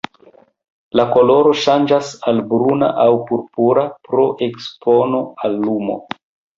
La koloro ŝanĝas al bruna aŭ purpura pro ekspono al lumo.